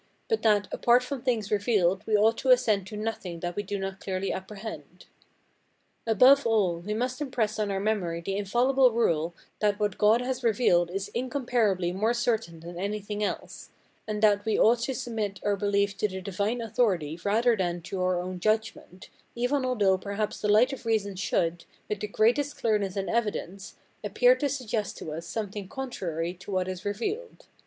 but that, apart from things revealed, we ought to assent to nothing that we do not clearly apprehend. Above all, we must impress on our memory the infallible rule, that what God has revealed is incomparably more certain than anything else; and that, we ought to submit our belief to the Divine authority rather than to our own judgment, even although perhaps the light of reason should, with the greatest clearness and evidence, appear to suggest to us something contrary to what is revealed.